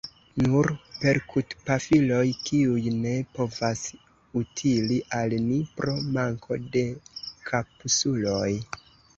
Nur perkutpafiloj, kiuj ne povas utili al ni, pro manko de kapsuloj.